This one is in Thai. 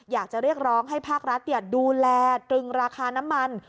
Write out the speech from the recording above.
อยากจะเรียกร้องให้ภาครัฐดูแลตรึงราคาน้ำมัน